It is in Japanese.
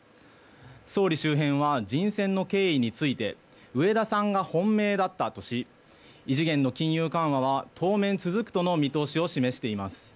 総理周辺は人選の経緯について植田さんが本命だったとし異次元の金融緩和は当面続くとの見通しを示しています。